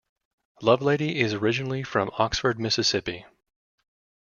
Lovelady is originally from Oxford, Mississippi.